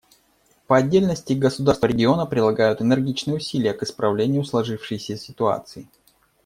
По отдельности государства региона прилагают энергичные усилия к исправлению сложившейся ситуации.